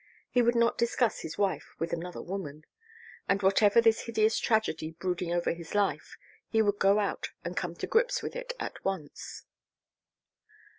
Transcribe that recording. He would not discuss his wife with another woman. And whatever this hideous tragedy brooding over his life he would go out and come to grips with it at once.